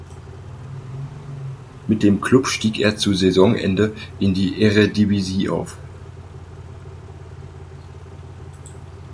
Mit dem Klub stieg er zu Saisonende in die Eredivisie auf.